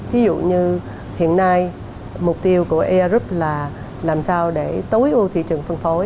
thí dụ như hiện nay mục tiêu của air group là làm sao để tối ưu thị trường phân phối